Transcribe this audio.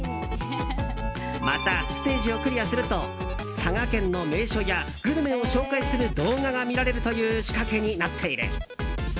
また、ステージをクリアすると佐賀県の名所やグルメを紹介する動画が見られるという仕掛けになっている。